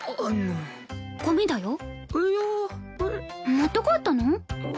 持って帰ったの？